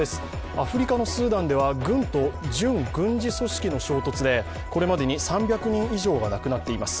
アフリカのスーダンでは軍と準軍事組織の衝突でこれまでに３００人以上が亡くなっています。